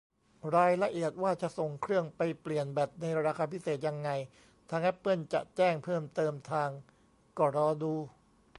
รายละเอียดว่าจะส่งเครื่องไปเปลี่ยนแบตในราคาพิเศษยังไง ทางแอปเปิลจะแจ้งเพิ่มเติมทาง ก็รอดู